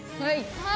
はい！